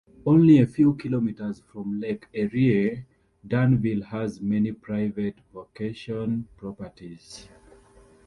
Only a few kilometres from Lake Erie, Dunnville has many private vacation properties.